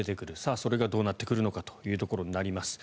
それがどうなってくるのかというところになります。